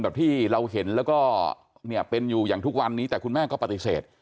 แบบที่เราเห็นแล้วก็เนี่ยเป็นอยู่อย่างทุกวันนี้แต่คุณแม่ก็ปฏิเสธ